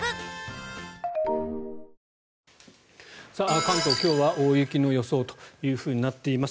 関東、今日は大雪の予想となっています。